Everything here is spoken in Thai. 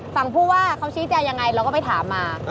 ผู้ว่าเขาชี้แจงยังไงเราก็ไปถามมา